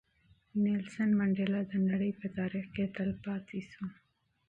منډېلا د نړۍ په تاریخ کې تل پاتې شو.